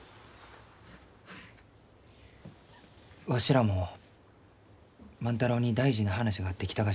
わしらも万太郎に大事な話があって来たがじゃ。